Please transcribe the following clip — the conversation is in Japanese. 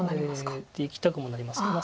オサえていきたくもなります。